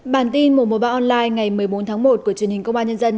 bản tin mùa mùa bão online ngày một mươi bốn tháng một của truyền hình công an nhân dân